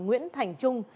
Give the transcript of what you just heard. nguyễn thành trung